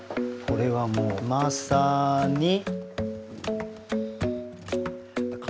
これはもうまさに。